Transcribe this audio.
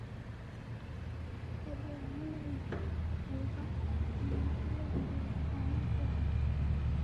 Wademulwa lufuw’a ni vilengeri va mabemba.